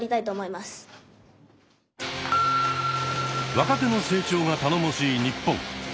若手の成長が頼もしい日本。